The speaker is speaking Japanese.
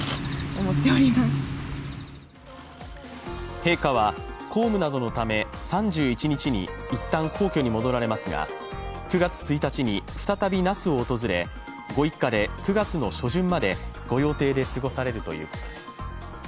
陛下は公務などのため３１日に、いったん皇居に戻られますが９月１日に再び那須を訪れご一家で９月の初旬まで御用邸で過ごされるということです。